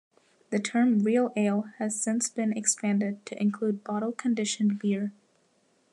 The term "real ale" has since been expanded to include bottle-conditioned beer.